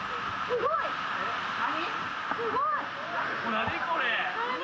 何、これ？